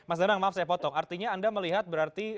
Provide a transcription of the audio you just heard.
mas danang maaf saya potong artinya anda melihat berarti